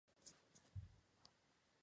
雕纹鱿鱼是一属已灭绝的头足类。